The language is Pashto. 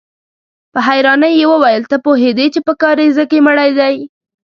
په حيرانۍ يې وويل: ته پوهېدې چې په کاريزه کې مړی دی؟